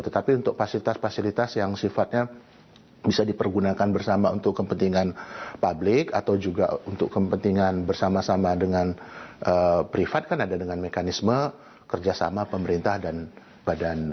tetapi untuk fasilitas fasilitas yang sifatnya bisa dipergunakan bersama untuk kepentingan publik atau juga untuk kepentingan bersama sama dengan privat kan ada dengan mekanisme kerjasama pemerintah dan badan